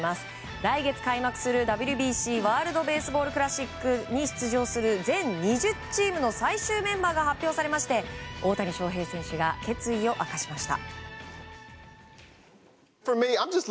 来月開幕するＷＢＣ・ワールド・ベースボール・クラシックに出場する全２０チームの最終メンバーが発表されまして、大谷翔平選手が決意を明かしました。